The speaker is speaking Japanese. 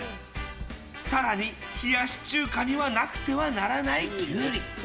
更に、冷やし中華にはなくてはならないキュウリ。